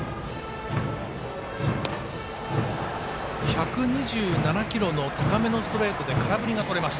１２７キロの高めのストレートで空振りがとれます。